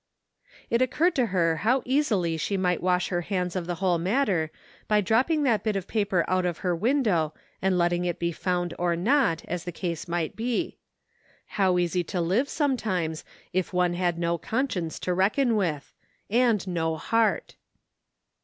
It occurred to her how easily she might wash her 120 THE FINDING OF JASPER HOLT hands of the whole matter by dropping that bit of •paper out of her window and letting it be found or not, as the case might be. How easy to live sometimes if one had no conscience to reckon with— and no heart